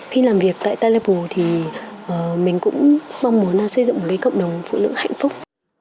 khi làm việc tại telepro thì mình cũng mong muốn xây dựng một cộng đồng phụ nữ hạnh phúc